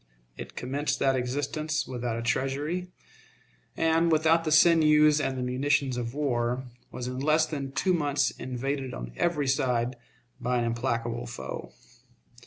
It commenced that existence without a treasury, and, without the sinews and the munitions of war, was in less than two months invaded on every side by an implacable foe.